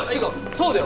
そうだよ。